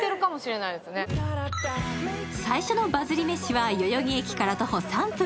最初のバズりめしは代々木駅から徒歩３分、